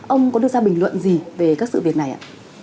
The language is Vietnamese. ông có đưa ra bình luận gì về các sự việc này ạ